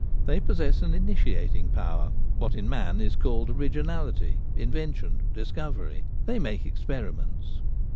They possess an initiating power — what in man is called originality, invention, discovery : they make experiments.